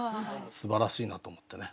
すばらしいなと思ってね。